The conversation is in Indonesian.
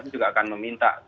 mereka juga akan meminta